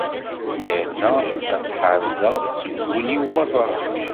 Yerna ad tt-ḥerzeɣ seg wul-iw merra.